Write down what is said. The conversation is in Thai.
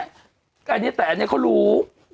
แต่อันนี้เขารู้